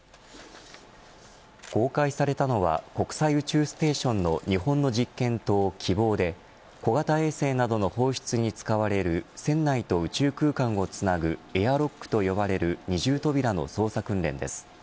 公開されたのは国際宇宙ステーションの日本の実験棟、きぼうで小型衛星などの放出に使われる船内と宇宙空間をつなぐエアロックと呼ばれる二重扉の操作訓練です。